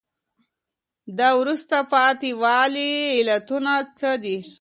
د وروسته پاتي والي علتونه څه دي؟